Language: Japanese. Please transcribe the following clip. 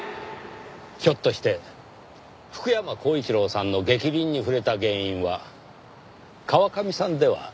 ひょっとして福山光一郎さんの逆鱗に触れた原因は川上さんでは？